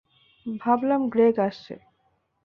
ভাবলাম গ্রেগ আসছে।